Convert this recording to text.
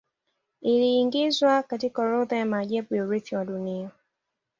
Iliiingizwa katika orodha ya maajabu ya Urithi wa Dunia